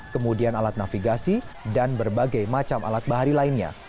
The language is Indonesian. kemudian alat navigasi dan berbagai macam alat bahari lainnya